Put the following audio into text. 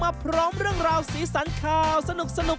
พร้อมเรื่องราวสีสันข่าวสนุก